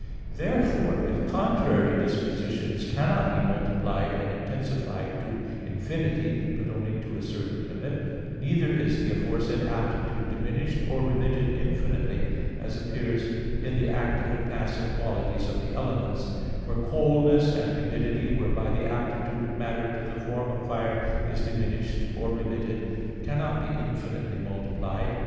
Therefore, if contrary dispositions cannot be multiplied and intensified to infinity, but only to a certain limit, neither is the aforesaid aptitude diminished or remitted infinitely, as appears in the active and passive qualities of the elements; for coldness and humidity, whereby the aptitude of matter to the form of fire is diminished or remitted, cannot be infinitely multiplied.